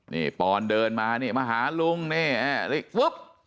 นี่ปอนเดินมานี่มาหาลุงนี่ปุ๊บ